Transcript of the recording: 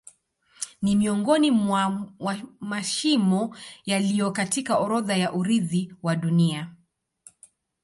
Ni miongoni mwa mashimo yaliyo katika orodha ya urithi wa Dunia.